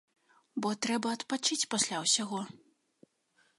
Бо трэба адпачыць пасля ўсяго.